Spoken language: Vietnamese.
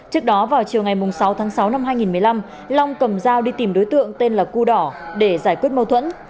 trước đó vào chiều ngày sáu tháng sáu năm hai nghìn một mươi năm long cầm dao đi tìm đối tượng tên là cô đỏ để giải quyết mâu thuẫn